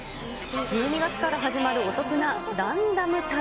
１２月から始まるお得なランダム旅。